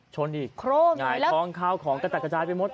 ชนอีกหงายท้องข้าวของกระจัดกระจายไปหมด